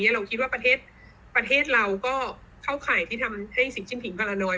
เราคิดว่าประเทศเราก็เข้าข่ายที่ทำให้สิ่งชุ่มผิงพาราน้อยอย